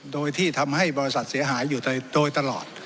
โดยที่ทำให้บริษัทเสียหายอยู่โดยตลอด